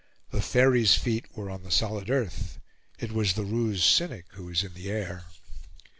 The Faery's feet were on the solid earth; it was the ruse cynic who was in the air.